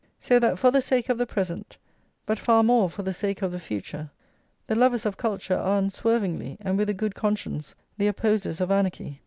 So that, for the sake of the present, but far more for the sake of the future, the lovers of culture are unswervingly and with a good conscience the opposers of anarchy.